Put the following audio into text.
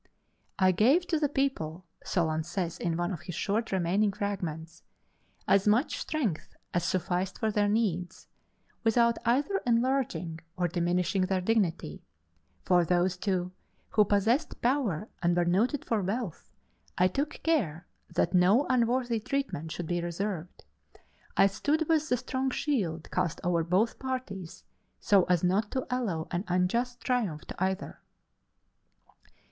"I gave to the people (Solon says in one of his short remaining fragments) as much strength as sufficed for their needs, without either enlarging or diminishing their dignity: for those too, who possessed power and were noted for wealth, I took care that no unworthy treatment should be reserved. I stood with the strong shield cast over both parties so as not to allow an unjust triumph to either."